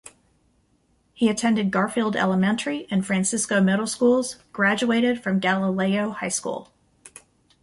He attended Garfield Elementary and Francisco Middle schools, graduated from Galileo High School.